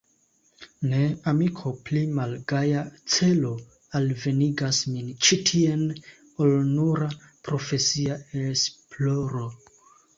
Ne, amiko, pli malgaja celo alvenigas min ĉi tien, ol nura profesia esploro.